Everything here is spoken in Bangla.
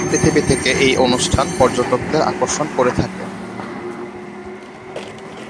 সারা পৃথিবী থেকে এই অনুষ্ঠান পর্যটকদের আকর্ষণ করে থাকে।